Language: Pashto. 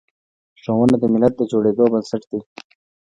ښوونه د ملت د جوړیدو بنسټ دی.